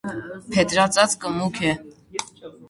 Փետրածածկը մուգ է։